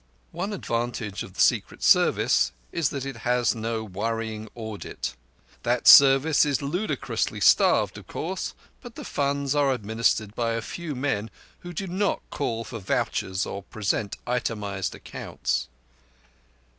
One advantage of the Secret Service is that it has no worrying audit. That Service is ludicrously starved, of course, but the funds are administered by a few men who do not call for vouchers or present itemized accounts.